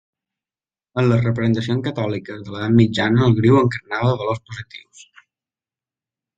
En les representacions catòliques de l'edat mitjana, el griu encarnava valors positius.